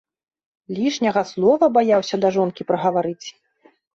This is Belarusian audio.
Лішняга слова баяўся да жонкі прагаварыць.